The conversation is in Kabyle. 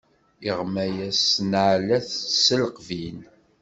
Iɣma-yaɣ s nneɛlat d tesleqbin.